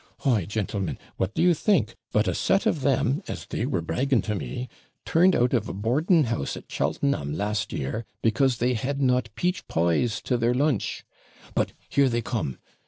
Why, gentlemen, what do you think, but a set of them, as they were bragging to me, turned out of a boarding house at Cheltenham, last year, because they had not peach pies to their lunch! But here they come!